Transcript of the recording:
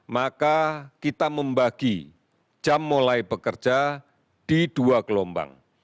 maka kita membagi jam mulai bekerja di dua gelombang